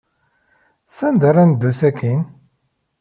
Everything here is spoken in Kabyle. Sanda ara neddu sakkin?